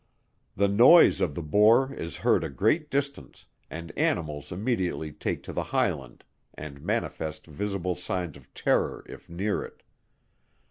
The noise of the Boar is heard a great distance, and animals immediately take to the highland, and manifest visible signs of terror if near it.